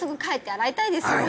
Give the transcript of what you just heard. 洗いたいですね